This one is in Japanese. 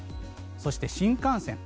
そして、新幹線。